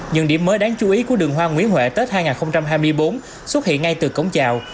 những điểm mới đáng chú ý của đường hoa nguyễn huệ tết hai nghìn hai mươi bốn xuất hiện ngay từ cổng chào